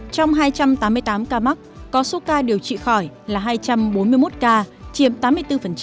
trong hai trăm tám mươi tám ca mắc có số ca điều trị khỏi là hai trăm bốn mươi một ca chiếm tám mươi bốn